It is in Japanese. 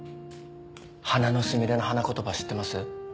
花のスミレの花言葉知ってます？